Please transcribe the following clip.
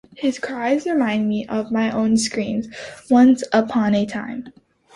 His cries remind me of my own screams, once upon a time.